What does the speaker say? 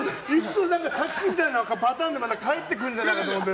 さっきみたいなパターンでまた返ってくんじゃないかと思って。